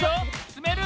つめる？